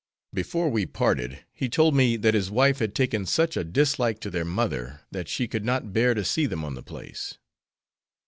Before we parted he told me that his wife had taken such a dislike to their mother that she could not bear to see them on the place.